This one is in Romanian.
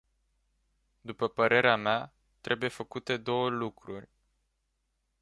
După părerea mea, trebuie făcute două lucruri.